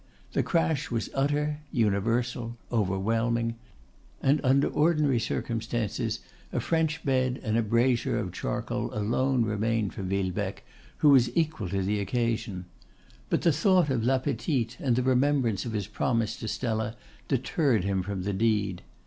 The crash was utter, universal, overwhelming; and under ordinary circumstances a French bed and a brasier of charcoal alone remained for Villebecque, who was equal to the occasion. But the thought of La Petite and the remembrance of his promise to Stella deterred him from the deed.